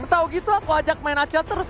tau gitu aku ajak main aja terus